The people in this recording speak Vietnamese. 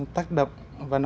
tất cả những cái việc đấy nó